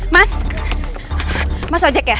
mas mas ojek ya